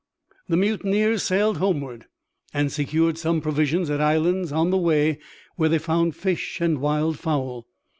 The mutineers sailed homeward and secured some provisions at islands on the way where they found fish and wild fowl.